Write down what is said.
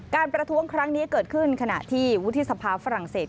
ประท้วงครั้งนี้เกิดขึ้นขณะที่วุฒิสภาฝรั่งเศส